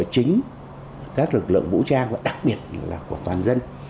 chính các lực lượng vũ trang và đặc biệt là của toàn dân